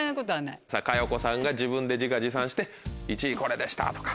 佳代子さんが自分で自画自賛して１位これでしたとか。